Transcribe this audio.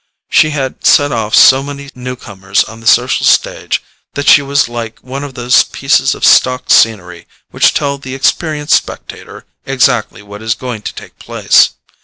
She had set off so many newcomers on the social stage that she was like one of those pieces of stock scenery which tell the experienced spectator exactly what is going to take place.